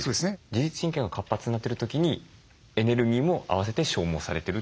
自律神経が活発になってる時にエネルギーも併せて消耗されてるという理解でいいですか？